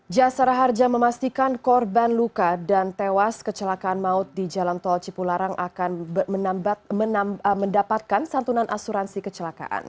jasara harja memastikan korban luka dan tewas kecelakaan maut di jalan tol cipularang akan mendapatkan santunan asuransi kecelakaan